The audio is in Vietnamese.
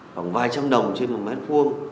vòng vài trăm đồng trên một mét khuôn